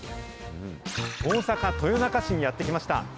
大阪・豊中市にやって来ました。